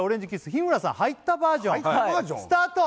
日村さん入ったバージョンスタート